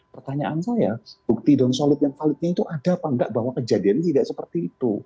pertanyaan saya bukti dan solid yang validnya itu ada apa enggak bahwa kejadian ini tidak seperti itu